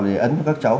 để ấn cho các cháu